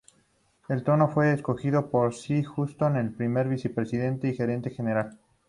El tono fue escogido por Cy Houston, el primer vicepresidente y gerente general.